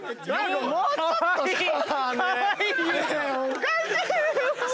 おかしいよ！